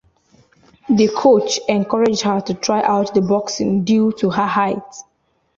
The coach encouraged her to try out boxing due to her height.